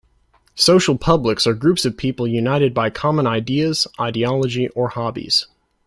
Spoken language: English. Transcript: Social publics are groups of people united by common ideas, ideology, or hobbies.